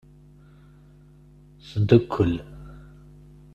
Sdukkel.